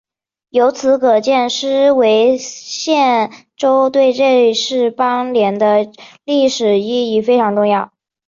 由此可见施维茨州对瑞士邦联的历史意义非常重要。